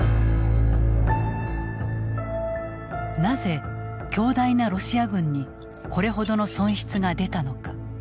なぜ強大なロシア軍にこれほどの損失が出たのか。